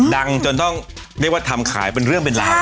จนต้องเรียกว่าทำขายเป็นเรื่องเป็นราว